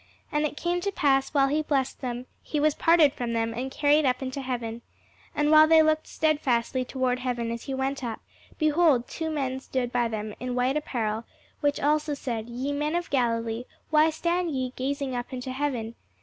And it came to pass, while he blessed them, he was parted from them, and carried up into heaven. And while they looked stedfastly toward heaven as he went up, behold, two men stood by them in white apparel; which also said, Ye men of Galilee, why stand ye gazing up into heaven?